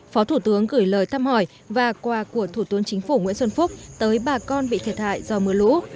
phó thủ tướng gửi lời thăm hỏi và quà của thủ tướng chính phủ nguyễn xuân phúc tới bà con bị thiệt hại do mưa lũ